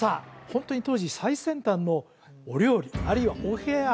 ホントに当時最先端のお料理あるいはお部屋